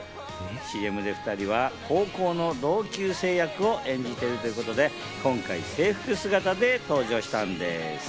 ＣＭで２人は高校の同級生役を演じているということで、今回、制服姿で登場したんです。